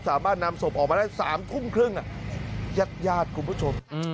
สามารถนำศพออกมาได้๓คุ้มครึ่งยาดคุณผู้ชม